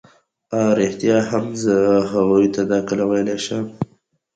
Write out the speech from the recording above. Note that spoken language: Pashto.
اه ریښتیا هم زه هغو ته دا کله ویلای شم.